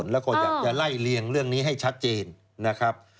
แล้วก็อยากจะไล่เลี่ยงเรื่องนี้ให้ชัดเจนนะครับ